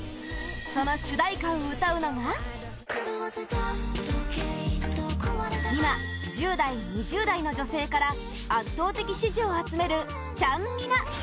その主題歌を歌うのが今、１０代２０代の女性から圧倒的支持を集めるちゃんみな。